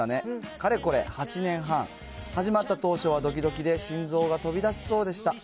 かれこれ８年半、始まった当初はどきどきで心臓が飛び出しそうでした。